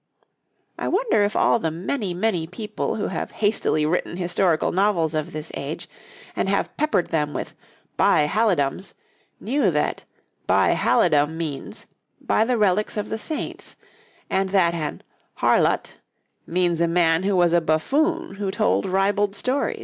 I wonder if all the many, many people who have hastily written historical novels of this age, and have peppered them with 'By halidoms,' knew that 'By halidom' means 'By the relics of the saints,' and that an 'harlote' means a man who was a buffoon who told ribald stories?